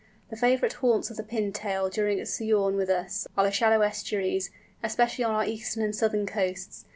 The favourite haunts of the Pintail, during its sojourn with us, are the shallow estuaries, especially on our eastern and southern coasts.